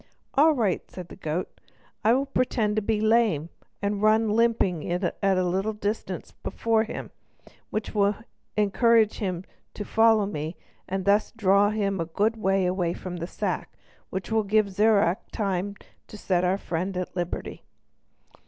"All right," said the goat, "I will pretend to be lame, and run limping at a little distance before him, which will encourage him to follow me, and thus draw him a good way from his sack, which will give Zirac time to set our friend at liberty."